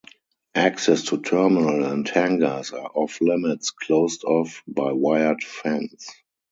Access to terminal and hangars are off limits closed off by wired fence.